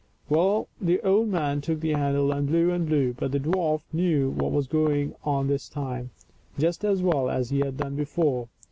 Well, the old man took the handle and blew and blew, but the dwarf knew what was going on this time, just as well as he had done before.